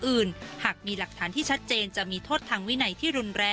และก็ไม่ได้ยัดเยียดให้ทางครูส้มเซ็นสัญญา